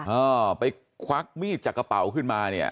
เอ้าไปวัดมีดจากกะเป่าขึ้นมา